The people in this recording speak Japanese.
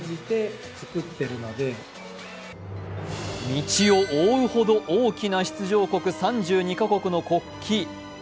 道を覆うほど大きな出場国、３２か国の国旗。